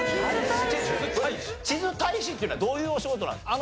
地図大使っていうのはどういうお仕事なんですか？